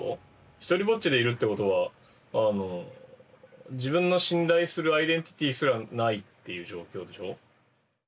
独りぼっちでいるってことは自分の信頼するアイデンティティすらないっていう状況でしょ。